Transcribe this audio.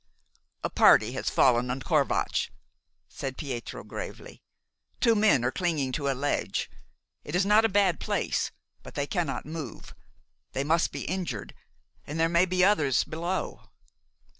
"A party has fallen on Corvatsch," said Pietro gravely. "Two men are clinging to a ledge. It is not a bad place; but they cannot move. They must be injured, and there may be others below."